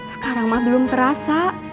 sekarang mah belum terasa